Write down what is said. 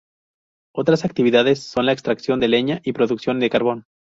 Otras actividades son la extracción de leña y producción de carbón.